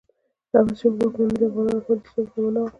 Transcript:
د احمدشاه بابا واکمني د افغانانو لپاره د سولې زمانه وه.